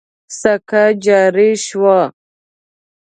سکه جاري شوه.